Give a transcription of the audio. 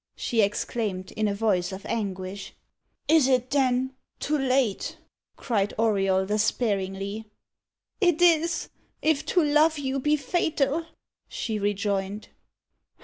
she exclaimed, in a voice of anguish. "Is it, then, too late?" cried Auriol despairingly. "It is if to love you be fatal," she rejoined.